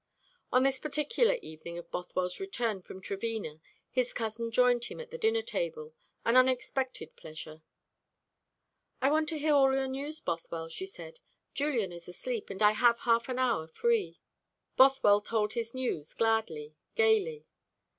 Upon this particular evening of Bothwell's return from Trevena his cousin joined him at the dinner table, an unexpected pleasure. "I want to hear all your news, Bothwell," she said. "Julian is asleep, and I have half an hour free." Bothwell told his news gladly, gaily.